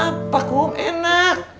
kenapa kum enak